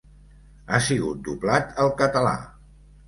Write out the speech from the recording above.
Ha sigut doblat al català.